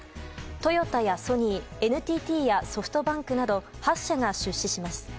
トヨタやソニーやＮＴＴやソフトバンクなど８社が出資します。